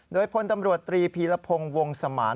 โดยพลตำรวจตรีพีรพงศ์วงสมาน